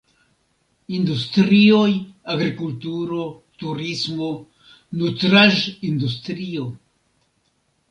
Industrioj: agrikulturo, turismo, nutraĵ-industrio.